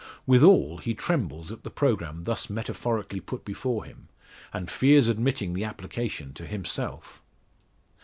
Withal, he trembles at the programme thus metaphorically put before him, and fears admitting the application to himself.